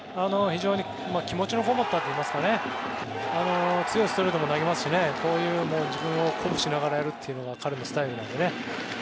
非常に気持ちのこもったというか強いストレートも投げますし自分を鼓舞しながらやるのが彼のスタイルなんでね。